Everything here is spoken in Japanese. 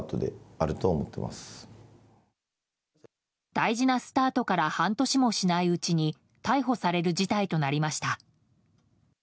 大事なスタートから半年もしないうちに逮捕される事態となりました。